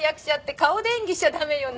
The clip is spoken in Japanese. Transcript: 顔で演技しちゃダメよね。